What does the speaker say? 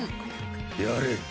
やれ。